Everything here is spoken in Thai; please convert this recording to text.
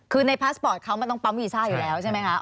คือในพาสปอร์ตเขามันต้องปั๊มวีซ่าอยู่แล้วใช่ไหมคะ